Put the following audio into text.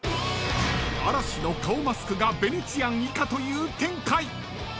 ［嵐の顔マスクがヴェネチアン以下という展開］